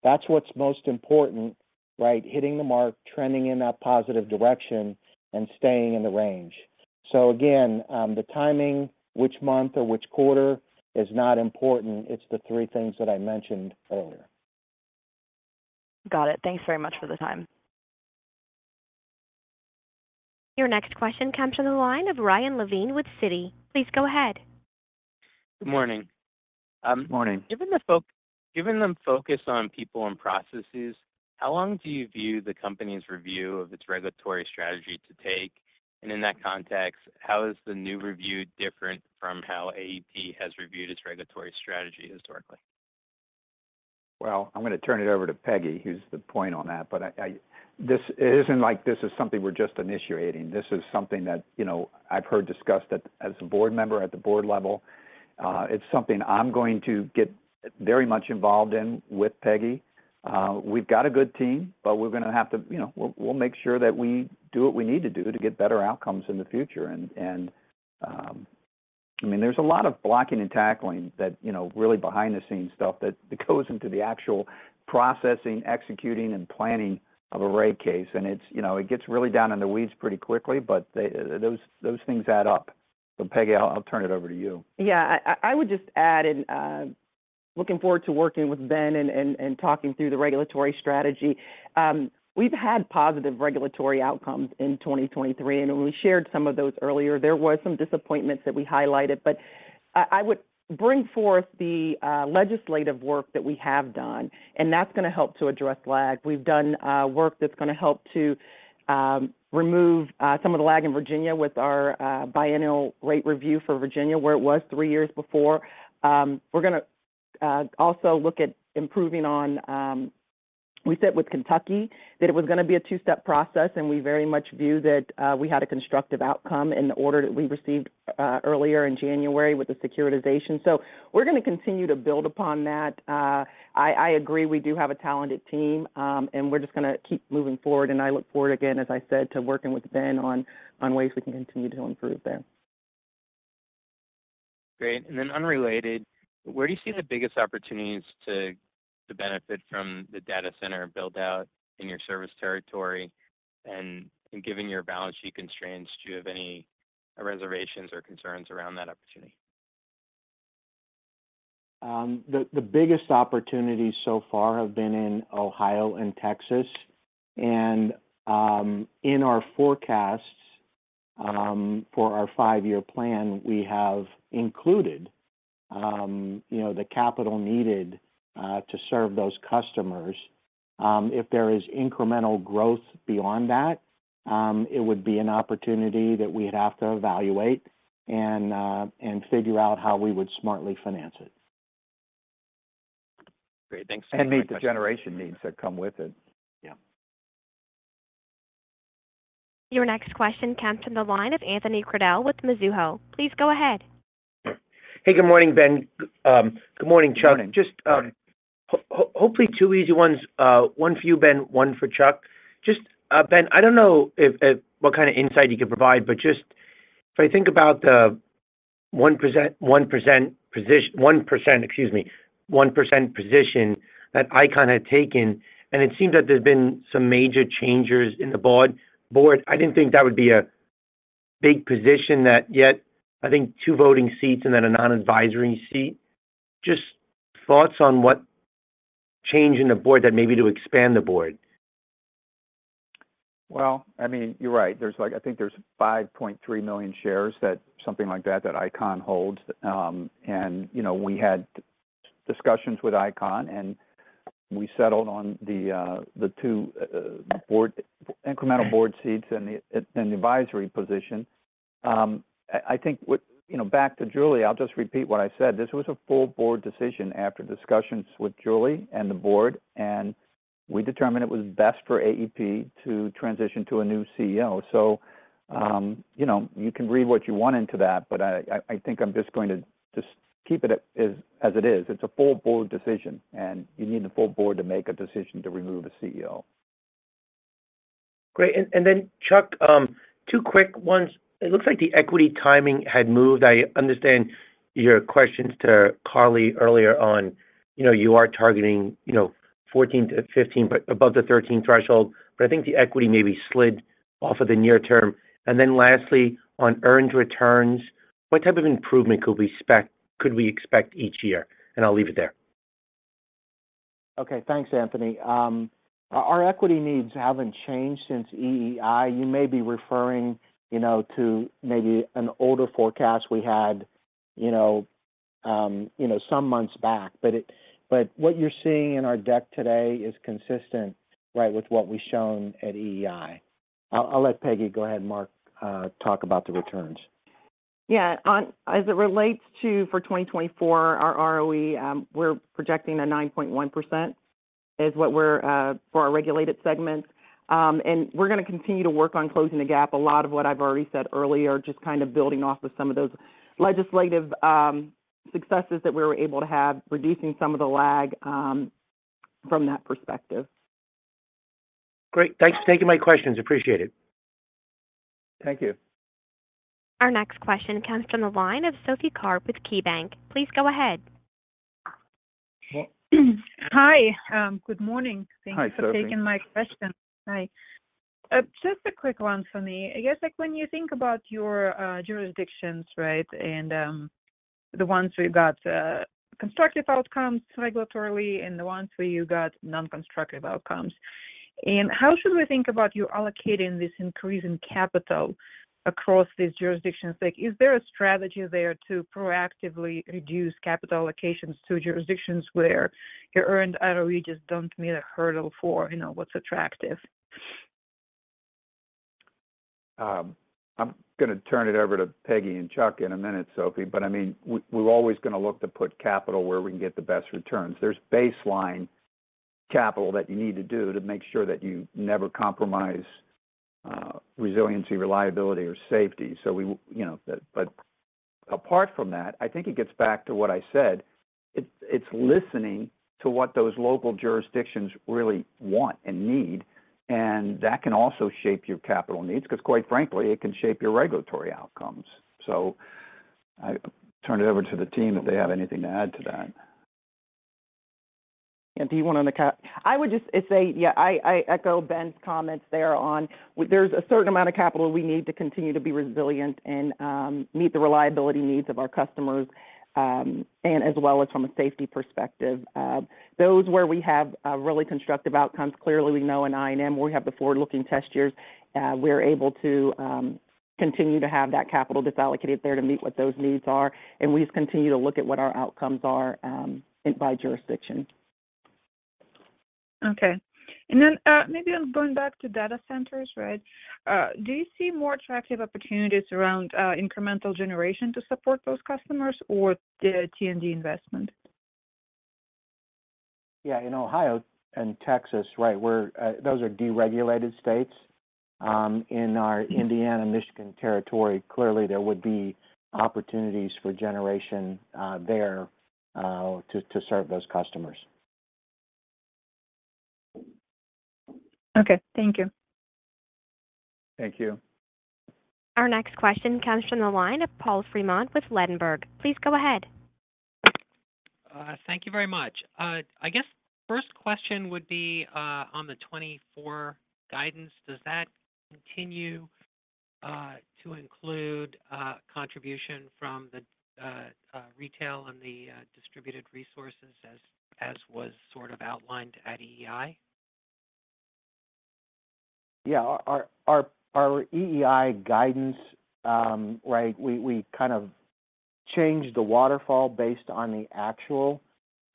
That's what's most important, right, hitting the mark, trending in that positive direction, and staying in the range. So again, the timing, which month or which quarter, is not important. It's the three things that I mentioned earlier. Got it. Thanks very much for the time. Your next question comes from the line of Ryan Levine with Citi. Please go ahead. Good morning. Good morning. Given the focus on people and processes, how long do you view the company's review of its regulatory strategy to take? And in that context, how is the new review different from how AEP has reviewed its regulatory strategy historically? Well, I'm going to turn it over to Peggy, who's the point on that, but it isn't like this is something we're just initiating. This is something that I've heard discussed as a board member at the board level. It's something I'm going to get very much involved in with Peggy.We've got a good team, but we'll make sure that we do what we need to do to get better outcomes in the future. And I mean, there's a lot of blocking and tackling, really behind-the-scenes stuff, that goes into the actual processing, executing, and planning of a rate case. And it gets really down in the weeds pretty quickly, but those things add up. So, Peggy, I'll turn it over to you. Yeah. I would just add, and looking forward to working with Ben and talking through the regulatory strategy, we've had positive regulatory outcomes in 2023. And when we shared some of those earlier, there were some disappointments that we highlighted. But I would bring forth the legislative work that we have done, and that's going to help to address lag. We've done work that's going to help to remove some of the lag in Virginia with our biennial rate review for Virginia, where it was three years before. We're going to also look at improving on we said with Kentucky that it was going to be a two-step process, and we very much view that we had a constructive outcome in the order that we received earlier in January with the securitization. So we're going to continue to build upon that. I agree we do have a talented team, and we're just going to keep moving forward. And I look forward, again, as I said, to working with Ben on ways we can continue to improve there. Great. And then unrelated, where do you see the biggest opportunities to benefit from the data center buildout in your service territory? And given your balance sheet constraints, do you have any reservations or concerns around that opportunity? The biggest opportunities so far have been in Ohio and Texas. And in our forecasts for our five-year plan, we have included the capital needed to serve those customers. If there is incremental growth beyond that, it would be an opportunity that we'd have to evaluate and figure out how we would smartly finance it. Great. Thanks for sharing that. And meet the generation needs that come with it. Yeah. Your next question comes from the line of Anthony Crowdell with Mizuho. Please go ahead. Hey, good morning, Ben. Good morning, Chuck. Just hopefully two easy ones, one for you, Ben, one for Chuck. Ben, I don't know what kind of insight you could provide, but just if I think about the 1%—excuse me, 1%—position that I kind of had taken, and it seemed that there's been some major changes in the board. I didn't think that would be a big position that yet I think 2 voting seats and then a non-advisory seat. Just thoughts on what change in the board that maybe to expand the board? Well, I mean, you're right. I think there's 5,300,000 shares that something like that that Icahn holds. And we had discussions with Icahn, and we settled on the 2 incremental board seats and the advisory position. I think back to Julie, I'll just repeat what I said. This was a full board decision after discussions with Julie and the board, and we determined it was best for AEP to transition to a new CEO. So you can read what you want into that, but I think I'm just going to just keep it as it is. It's a full board decision, and you need the full board to make a decision to remove a CEO. Great. And then, Chuck, two quick ones. It looks like the equity timing had moved. I understand your questions to Carly earlier on. You are targeting 14-15, above the 13 threshold, but I think the equity maybe slid off of the near term. And then lastly, on earned returns, what type of improvement could we expect each year? And I'll leave it there. Okay. Thanks, Anthony. Our equity needs haven't changed since EEI. You may be referring to maybe an older forecast we had some months back, but what you're seeing in our deck today is consistent, right, with what we've shown at EEI. I'll let Peggy go ahead and Mark talk about the returns. Yeah. As it relates to for 2024, our ROE, we're projecting a 9.1% is what we're for our regulated segments. And we're going to continue to work on closing the gap, a lot of what I've already said earlier, just kind of building off of some of those legislative successes that we were able to have, reducing some of the lag from that perspective. Great. Thanks for taking my questions. Appreciate it. Thank you. Our next question comes from the line of Sophie Karp with KeyBanc. Please go ahead. Hi. Good morning. Thanks for taking my question. Hi. Just a quick one for me. I guess when you think about your jurisdictions, right, and the ones where you got constructive outcomes regulatorily and the ones where you got non-constructive outcomes, and how should we think about you allocating this increase in capital across these jurisdictions? Is there a strategy there to proactively reduce capital allocations to jurisdictions where your earned ROE just don't meet a hurdle for what's attractive? I'm going to turn it over to Peggy and Chuck in a minute, Sophie, but I mean, we're always going to look to put capital where we can get the best returns. There's baseline capital that you need to do to make sure that you never compromise resiliency, reliability, or safety. But apart from that, I think it gets back to what I said. It's listening to what those local jurisdictions really want and need, and that can also shape your capital needs because, quite frankly, it can shape your regulatory outcomes. So I'll turn it over to the team if they have anything to add to that. Yeah. Do you want to undercut? I would just say, yeah, I echo Ben's comments there on there's a certain amount of capital we need to continue to be resilient and meet the reliability needs of our customers as well as from a safety perspective. Those where we have really constructive outcomes, clearly, we know in I&M, where we have the forward-looking test years, we're able to continue to have that capital allocated there to meet what those needs are, and we just continue to look at what our outcomes are by jurisdiction. Okay. And then maybe I'm going back to data centers, right? Do you see more attractive opportunities around incremental generation to support those customers or the T&D investment? Yeah. In Ohio and Texas, right, those are deregulated states. In our Indiana and Michigan territory, clearly, there would be opportunities for generation there to serve those customers. Okay. Thank you. Thank you. Our next question comes from the line of Paul Fremont with Ladenburg. Please go ahead. Thank you very much. I guess first question would be on the 2024 guidance. Does that continue to include contribution from the retail and the distributed resources as was sort of outlined at EEI? Yeah. Our EEI guidance, right, we kind of changed the waterfall based on the actual,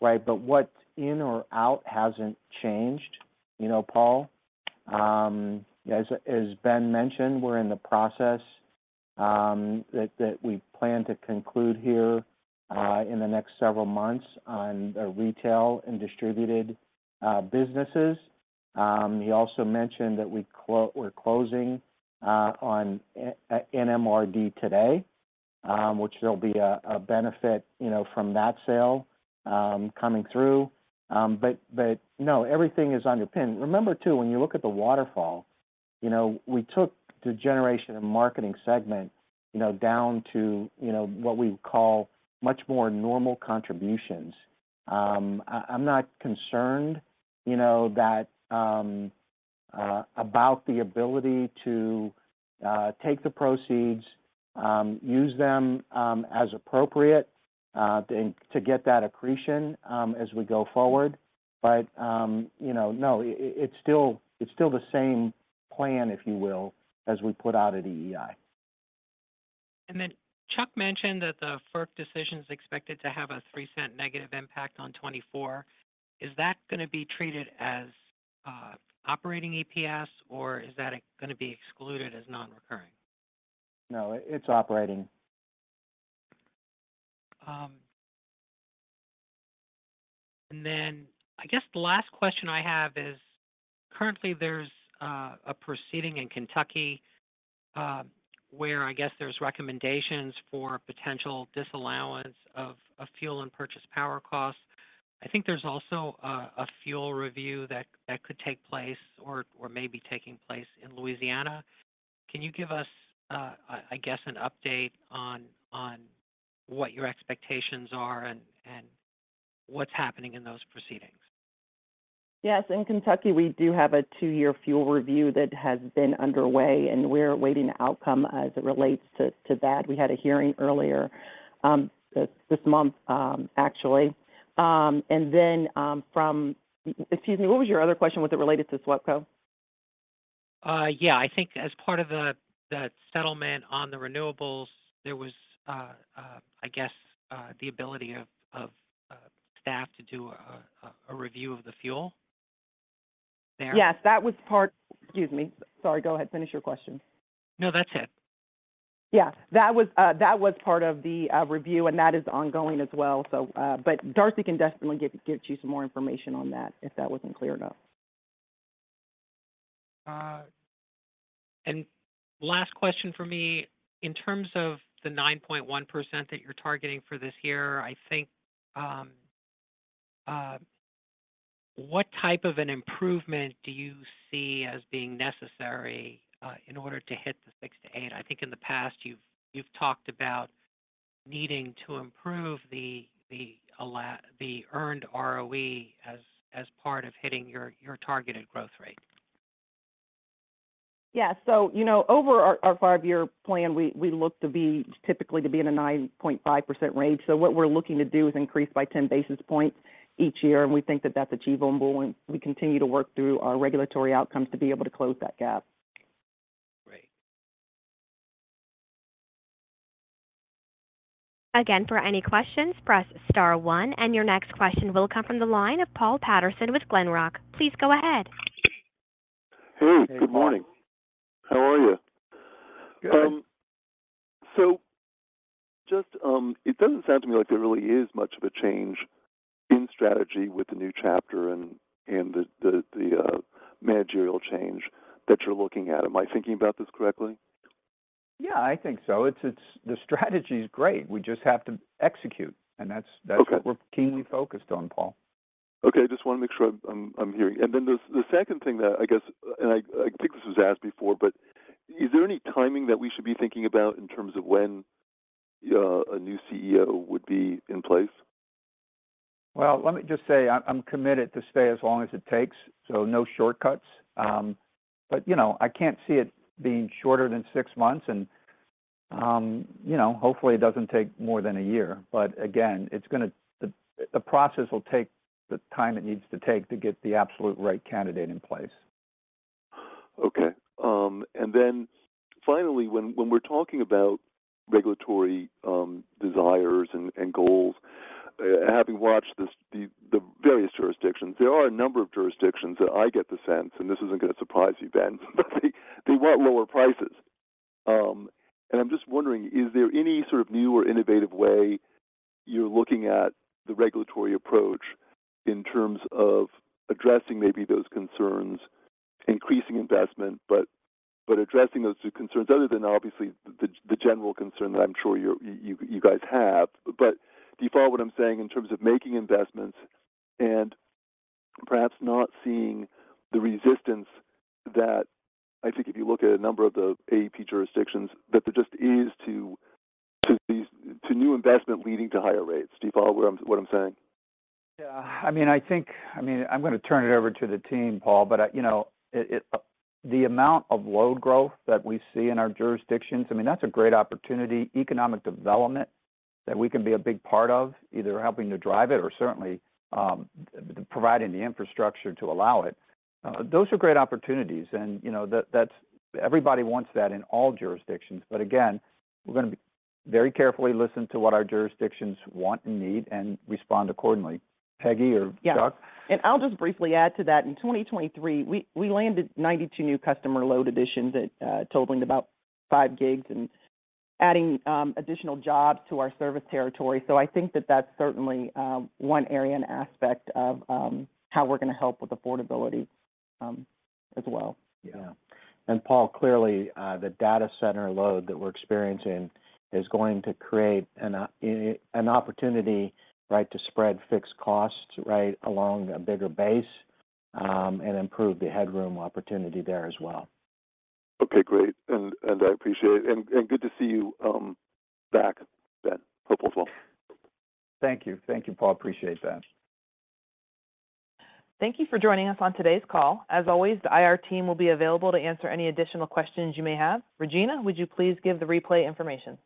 right, but what's in or out hasn't changed, Paul. As Ben mentioned, we're in the process that we plan to conclude here in the next several months on the retail and distributed businesses. He also mentioned that we're closing on NMRD today, which there'll be a benefit from that sale coming through. But no, everything is underpinned. Remember, too, when you look at the waterfall, we took the generation and marketing segment down to what we would call much more normal contributions. I'm not concerned about the ability to take the proceeds, use them as appropriate to get that accretion as we go forward. But no, it's still the same plan, if you will, as we put out at EEI. And then Chuck mentioned that the FERC decision is expected to have a $0.03 negative impact on 2024. Is that going to be treated as operating EPS, or is that going to be excluded as non-recurring? No. It's operating. Then I guess the last question I have is currently, there's a proceeding in Kentucky where I guess there's recommendations for potential disallowance of fuel and purchased power costs. I think there's also a fuel review that could take place or may be taking place in Louisiana. Can you give us, I guess, an update on what your expectations are and what's happening in those proceedings? Yes. In Kentucky, we do have a two-year fuel review that has been underway, and we're awaiting an outcome as it relates to that. We had a hearing earlier this month, actually. And then, excuse me, what was your other question? Was it related to SWEPCO? Yeah. I think as part of the settlement on the renewables, there was, I guess, the ability of staff to do a review of the fuel there? Yes. That was part, excuse me. Sorry. Go ahead. Finish your question. No, that's it. Yeah. That was part of the review, and that is ongoing as well. But Darcy can definitely give you some more information on that if that wasn't clear enough. And last question for me. In terms of the 9.1% that you're targeting for this year, I think what type of an improvement do you see as being necessary in order to hit the 6%-8%? I think in the past, you've talked about needing to improve the earned ROE as part of hitting your targeted growth rate. Yeah. So over our five-year plan, we look to be typically to be in a 9.5% range. So what we're looking to do is increase by 10 basis points each year, and we think that that's achievable, and we continue to work through our regulatory outcomes to be able to close that gap. Great. Again, for any questions, press star one. And your next question will come from the line of Paul Patterson with Glenrock. Please go ahead. Hey. Good morning. How are you? Good. So it doesn't sound to me like there really is much of a change in strategy with the new chapter and the managerial change that you're looking at. Am I thinking about this correctly? Yeah. I think so. The strategy is great. We just have to execute, and that's what we're keenly focused on, Paul. Okay. Just want to make sure I'm hearing. And then the second thing that I guess and I think this was asked before, but is there any timing that we should be thinking about in terms of when a new CEO would be in place? Well, let me just say I'm committed to stay as long as it takes, so no shortcuts. But I can't see it being shorter than six months, and hopefully, it doesn't take more than a year. But again, the process will take the time it needs to take to get the absolute right candidate in place. Okay. And then finally, when we're talking about regulatory desires and goals, having watched the various jurisdictions, there are a number of jurisdictions that I get the sense—and this isn't going to surprise you, Ben—that they want lower prices. And I'm just wondering, is there any sort of new or innovative way you're looking at the regulatory approach in terms of addressing maybe those concerns, increasing investment, but addressing those concerns other than, obviously, the general concern that I'm sure you guys have? But do you follow what I'm saying in terms of making investments and perhaps not seeing the resistance that I think if you look at a number of the AEP jurisdictions, that there just is to new investment leading to higher rates? Do you follow what I'm saying? Yeah. I mean, I think, I'm going to turn it over to the team, Paul, but the amount of load growth that we see in our jurisdictions, I mean, that's a great opportunity, economic development that we can be a big part of, either helping to drive it or certainly providing the infrastructure to allow it. Those are great opportunities, and everybody wants that in all jurisdictions. But again, we're going to very carefully listen to what our jurisdictions want and need and respond accordingly. Peggy or Chuck? Yeah. And I'll just briefly add to that. In 2023, we landed 92 new customer load additions totaling about 5 gigs and adding additional jobs to our service territory. So I think that that's certainly one area and aspect of how we're going to help with affordability as well. Yeah. And Paul, clearly, the data center load that we're experiencing is going to create an opportunity, right, to spread fixed costs, right, along a bigger base and improve the headroom opportunity there as well. Okay. Great. And I appreciate it. And good to see you back, Ben. Hopeful as well. Thank you. Thank you, Paul. Appreciate that. Thank you for joining us on today's call. As always, the IR team will be available to answer any additional questions you may have. Regina, would you please give the replay information?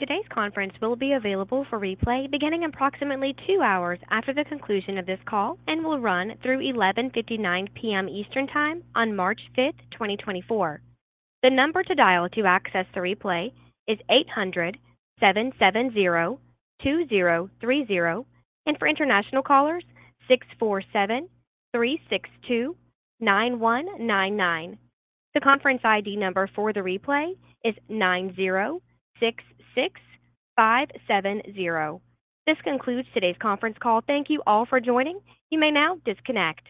Today's conference will be available for replay beginning approximately 2 hours after the conclusion of this call and will run through 11:59 P.M. Eastern Time on March 5th, 2024. The number to dial to access the replay is 800-770-2030, and for international callers, 647-362-9199. The conference ID number for the replay is 9066570. This concludes today's conference call. Thank you all for joining. You may now disconnect.